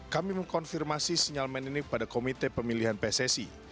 kami mengkonfirmasi sinyal men ini pada komite pemilihan pssi